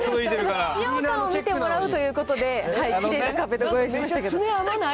使用感を見てもらうということで、きれいなカーペットをご用意し甘ない？